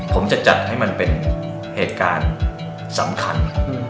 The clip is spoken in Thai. ผมจะจัดให้มันเป็นเหตุการณ์สำคัญ